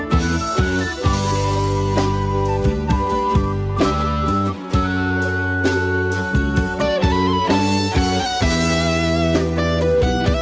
ต่อไปมาช่วยลูกชีค